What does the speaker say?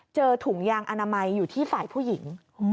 ถุงยางอนามัยอยู่ที่ฝ่ายผู้หญิง